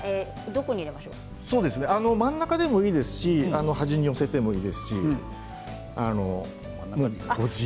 真ん中でもいいですし端に寄せてもいいですしご自由に。